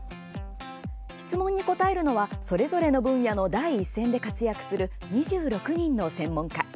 質問に答えるのはそれぞれの分野の第一線で活躍する２６人の専門家。